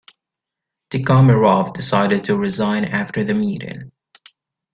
Tikhomirov decided to resign after the meeting.